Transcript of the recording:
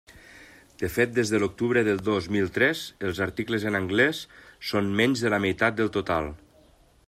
De fet, des de l'octubre del dos mil tres, els articles en anglès són menys de la meitat del total.